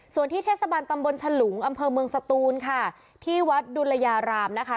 ส่วนที่เทศบาลตำบลฉลุงอำเภอเมืองสตูนค่ะที่วัดดุลยารามนะคะ